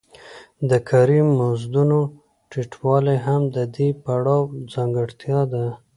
د کاري مزدونو ټیټوالی هم د دې پړاو ځانګړتیا ده